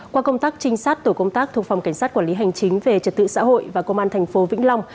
qua công tác trinh sát tổ công tác thuộc phòng cảnh sát quản lý hành chính về trật tự xã hội và công an thành phố vĩnh long